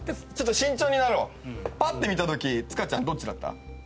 ちょっと慎重になろうパッて見たとき塚ちゃんどっちだった？